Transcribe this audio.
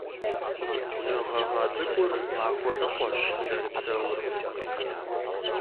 Зы гъэгъа цӀыкӀур махуэ ныкъуэщ зэрыпсэур.